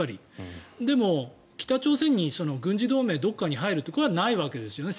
でも、北朝鮮に軍事同盟、どこかに入るってこれはないわけですね